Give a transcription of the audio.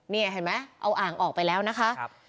นี่เห็นไหมเอาอ่างออกไปแล้วนะคะ